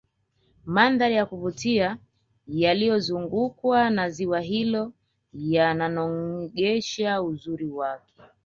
mandhari ya kuvutia yaliozungukwa na ziwa hilo yananogesha uzuri wake